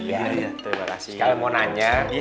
ya allah ya